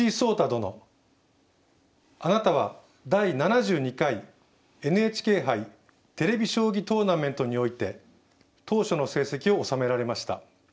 殿あなたは第７２回ＮＨＫ杯テレビ将棋トーナメントにおいて頭書の成績を収められました